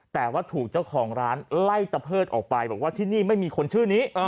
แต่ว่าถูกเจ้าของร้านไล่ตะเพิดออกไปบอกว่าที่นี่ไม่มีคนชื่อนี้